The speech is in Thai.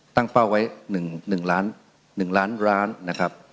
ตั้งเป้าไว้หนึ่งหนึ่งล้านหนึ่งล้านล้านนะครับ